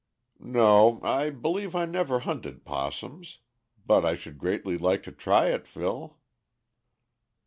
"No; I believe I never hunted opossums, but I should greatly like to try it, Phil."